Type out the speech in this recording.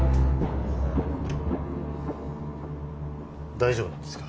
大丈夫なんですか？